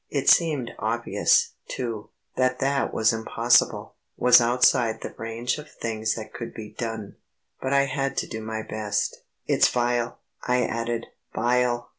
It seemed obvious, too, that that was impossible, was outside the range of things that could be done but I had to do my best. "It's a it's vile," I added, "vile."